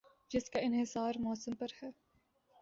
جس کا انحصار موسم پر ہے ۔